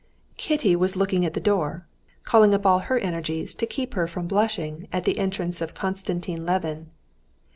Kitty was looking at the door, calling up all her energies to keep her from blushing at the entrance of Konstantin Levin.